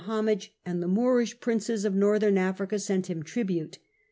176 homage, and the Moorish princes of Northern Africa sent him tribute.